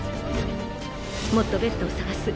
もっとベッドを探す。